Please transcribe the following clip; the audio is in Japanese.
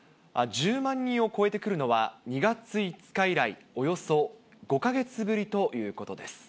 １０万人を超えてくるのは、２月５日以来、およそ５か月ぶりということです。